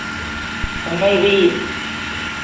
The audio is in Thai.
ฉันไม่รีบ